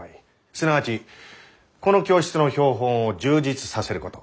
すなわちこの教室の標本を充実させること。